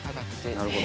なるほど。